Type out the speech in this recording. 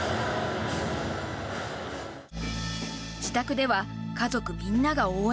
自宅では家族みんなが応援。